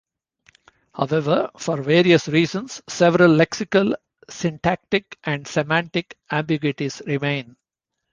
However, for various reasons, several lexical, syntactic and semantic ambiguities remain.